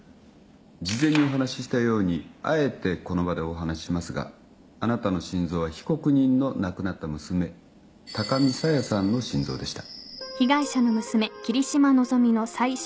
事前にお話ししたようにあえてこの場でお話ししますがあなたの心臓は被告人の亡くなった娘高見沙耶さんの心臓でした。